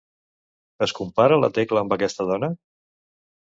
Es compara la Tecla amb aquesta dona?